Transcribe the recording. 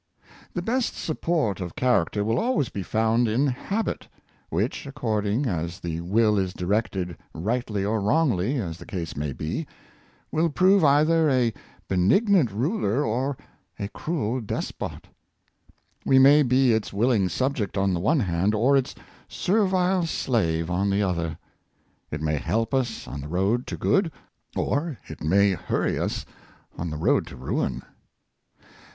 The best support of character will always be found in habit, which, according as the will is directed rightly The Value of Discipline. 473 or wrongly, as the case may be, will prove either a benignant ruler or a cruel despot. We may be its will ing subject on the one hand, or its servile slave on the other. It may help us on the road to good, or it may hurry us on the road to ruin.